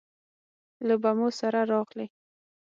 له بمو سره راغلې